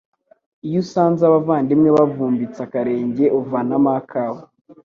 Iyo usanze abavandimwe bavumbitse akarenge uvanamo akawe